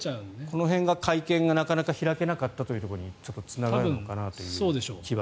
この辺が会見がなかなか開けなかったところにつながるのかなと。